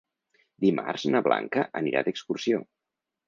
Dimarts na Blanca anirà d'excursió.